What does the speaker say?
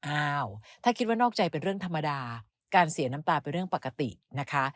อ้าวถ้าคิดว่านอกใจเป็นเรื่องธรรมดาการเสียน้ำตาเป็นเรื่องปกตินะคะ